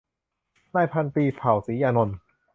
นายพันตรี เผ่า ศรียานนท์